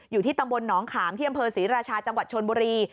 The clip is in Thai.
อยู่ที่ตำบลหนองขามที่อำเภอศรีราชาจังหวัดชนบุรี